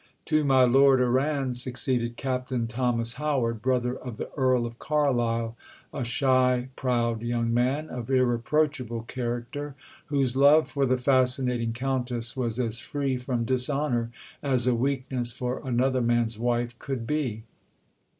To my Lord Arran succeeded Captain Thomas Howard, brother of the Earl of Carlisle, a shy, proud young man of irreproachable character, whose love for the fascinating Countess was as free from dishonour as a weakness for another man's wife could be.